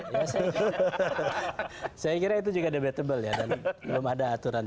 ya saya kira itu juga debatable ya dan belum ada aturannya